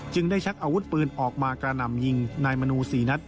ได้ชักอาวุธปืนออกมากระหน่ำยิงนายมนู๔นัด